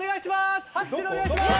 拍手をお願いします！